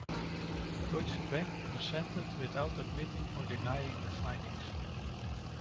Deutsche Bank consented without admitting or denying the findings.